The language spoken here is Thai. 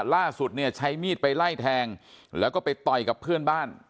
ล่าสุดเนี่ยใช้มีดไปไล่แทงแล้วก็ไปต่อยกับเพื่อนบ้าน